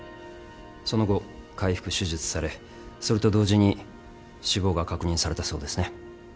その後開腹手術されそれと同時に死亡が確認されたそうですね。